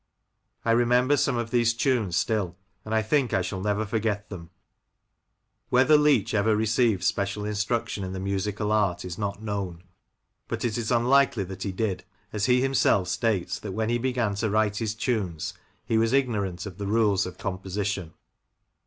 I remember some of these tunes still, and I think I shall never forget them." Whether Leach ever received special instruction in the musical art is not known, but it is unlikely that he did, as he himself states that when he began to write his tunes he was ignorant of the rules of composition.